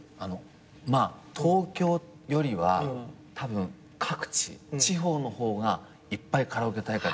まあ東京よりはたぶん各地地方の方がいっぱいカラオケ大会って。